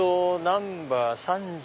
ナンバー３９。